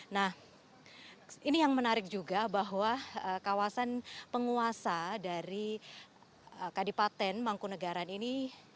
nah ini yang menarik juga bahwa kawasan penguasa dari kadipaten mangkunegaran ini